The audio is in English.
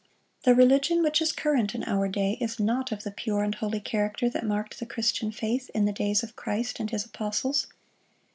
The religion which is current in our day is not of the pure and holy character that marked the Christian faith in the days of Christ and His apostles.